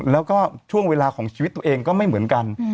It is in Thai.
แล้วก็ช่วงเวลาของชีวิตตัวเองก็ไม่เหมือนกัน